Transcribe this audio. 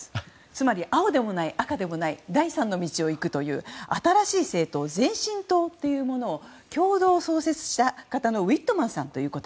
つまり、青でもない赤でもない第三の道を行くという新しい政党、前進党というものを共同創設者のウィットマンさんという方。